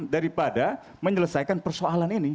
daripada menyelesaikan persoalan ini